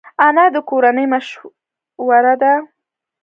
انا د کورنۍ مشوره ده